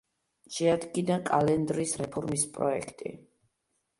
შეადგინა კალენდრის რეფორმის პროექტი.